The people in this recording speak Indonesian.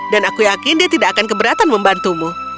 dan aku yakin dia tidak akan keberatan membantumu